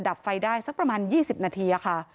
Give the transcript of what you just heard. ดับไฟได้สักประมาณ๒๐นาทีค่ะ